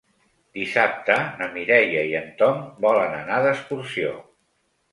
Dissabte na Mireia i en Tom volen anar d'excursió.